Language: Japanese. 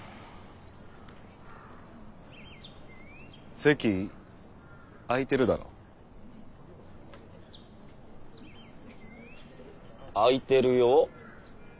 席空いてるだろう？空いてるよ？